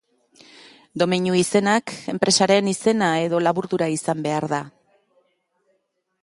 Domeinu izenak enpresaren izena edo laburdura izan behar da.